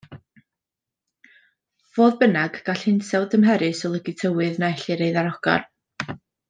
Fodd bynnag, gall hinsawdd dymherus olygu tywydd na ellir ei ddarogan.